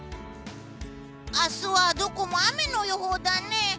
明日はどこも雨の予報だね。